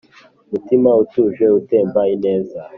mutima utuje utemba ineza